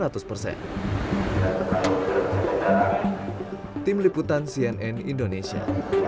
tim liputan cnn indonesia